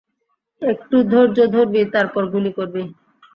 একটু ধৈর্য ধরবি, তারপর গুলি করবি।